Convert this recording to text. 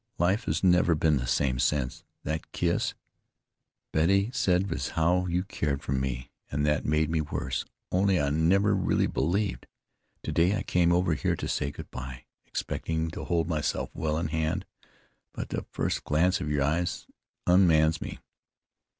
Life has never been the same since that kiss. Betty said as how you cared for me, an' that made me worse, only I never really believed. Today I came over here to say good bye, expectin' to hold myself well in hand; but the first glance of your eyes unmans me.